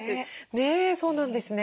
ねえそうなんですね。